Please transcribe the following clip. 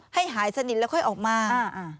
ให้หายสนิทแล้วค่อยออกมา